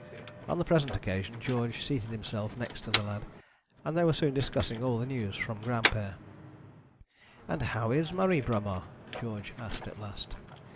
On the present occasion George seated himself next to the lad, and they were soon discussing all the news from Granpere. 'And how is Marie Bromar?' George asked at last.